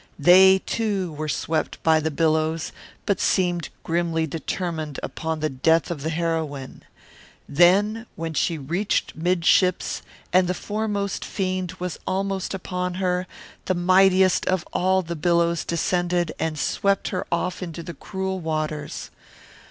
They, too, were swept by the billows, but seemed grimly determined upon the death of the heroine. Then, when she reached midships and the foremost fiend was almost upon her, the mightiest of all the billows descended and swept her off into the cruel waters.